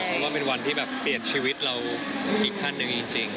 เพราะว่าเป็นวันที่แบบเปลี่ยนชีวิตเราอีกท่านหนึ่งจริง